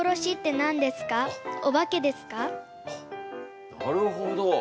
えっとなるほど。